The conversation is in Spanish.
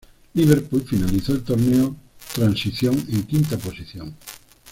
Liverpool finalizó el torneo transición en quinta posición.